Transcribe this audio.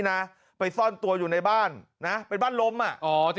กะลาวบอกว่าก่อนเกิดเหตุ